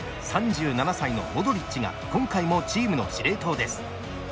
３７歳のモドリッチが今回もチームの司令塔です。